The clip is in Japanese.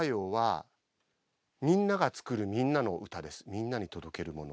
みんなに届けるもの。